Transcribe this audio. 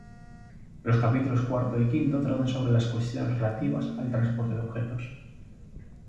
Los capítulos cuarto y quinto tratan sobre las cuestiones relativas al transporte de objetos.